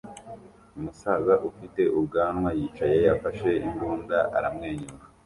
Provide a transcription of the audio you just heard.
Umusaza ufite ubwanwa yicaye afashe imbunda aramwenyura